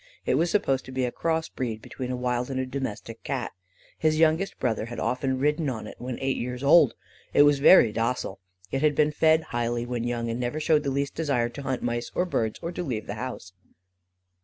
It was supposed to be a cross breed between a wild and a domestic Cat. His youngest brother has often ridden on it when eight years old. It was very docile. It had been fed highly when young, and never showed the least desire to hunt mice or birds, or to leave the house.